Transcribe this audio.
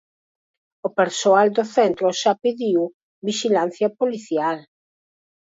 O persoal do centro xa pediu vixilancia policial.